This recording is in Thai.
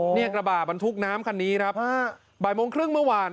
กระบะบรรทุกน้ำคันนี้ครับบ่ายโมงครึ่งเมื่อวาน